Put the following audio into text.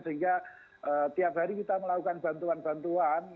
sehingga tiap hari kita melakukan bantuan bantuan